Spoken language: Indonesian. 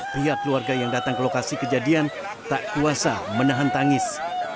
pihak keluarga yang datang ke lokasi kejadian tak kuasa menahan tangis